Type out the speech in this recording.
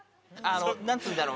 何つぅんだろう？